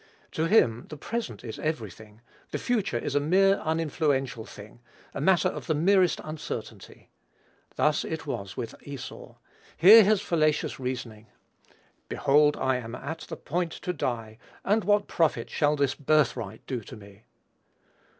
To him the present is every thing: the future is a mere uninfluential thing, a matter of the merest uncertainty. Thus it was with Esau. Hear his fallacious reasoning: "Behold, I am at the point to die; and what profit shall this birthright do to me?"